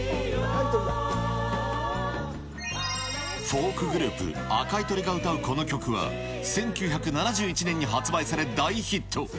フォークグループ、赤い鳥が歌うこの曲は、１９７１年に発売され、大ヒット。